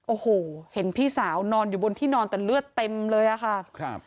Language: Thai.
โอ้โหเห็นพี่สาวนอนอยู่บนที่นอนแต่เลือดเต็มเลยอะค่ะครับ